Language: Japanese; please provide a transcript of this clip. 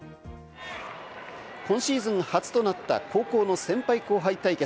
今シーズン初となった高校の先輩・後輩対決。